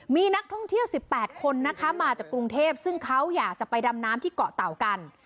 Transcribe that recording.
มีนักท่องเที่ยว๑๘คนนะคะมาจากกรุงเทพซึ่งเขาอยากจะไปดำน้ำที่เกาะเต่ากัน